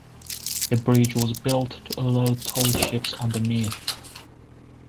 The bridge was built to allow tall ships underneath.